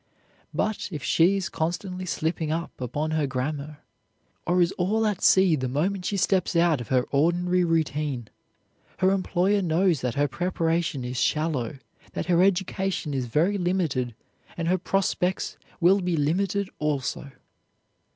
But, if she is constantly slipping up upon her grammar, or is all at sea the moment she steps out of her ordinary routine, her employer knows that her preparation is shallow, that her education is very limited, and her prospects will be limited also.